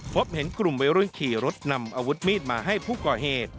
พบเห็นกลุ่มวัยรุ่นขี่รถนำอาวุธมีดมาให้ผู้ก่อเหตุ